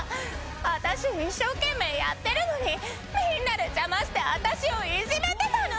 私一生懸命やってるのにみんなで邪魔して私をいじめてたの！